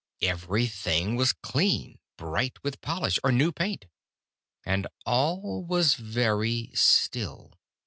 Everything was clean, bright with polish or new paint. And all was very still.